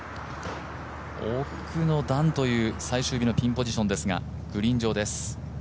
奥の段という、最終日のピンポジションですが、グリーン上です。